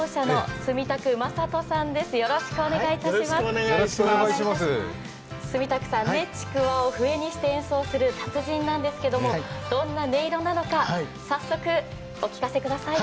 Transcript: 住宅さん、ちくわを笛にして演奏する達人なんですけれども、どんな音色なのか、早速、お聞かせください。